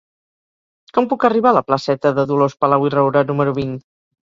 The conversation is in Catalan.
Com puc arribar a la placeta de Dolors Palau i Roura número vint?